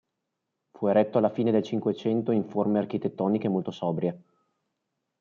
Fu eretto alla fine del Cinquecento in forme architettoniche molto sobrie.